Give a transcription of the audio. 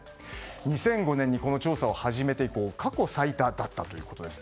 ２００５年にこの調査を始めて以降過去最多だったということです。